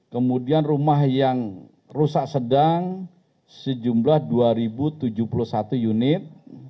kemudian rumah yang rusak sedang sejumlah dua tujuh puluh satu unit